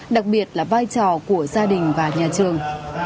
đặc biệt là vai trò của gia đình và nhà trường